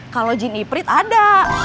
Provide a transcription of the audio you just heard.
kalau jin iprit ada